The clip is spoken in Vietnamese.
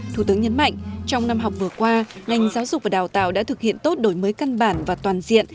thủ tướng nhấn mạnh trong năm học vừa qua ngành giáo dục và đào tạo đã thực hiện tốt đổi mới căn bản và toàn diện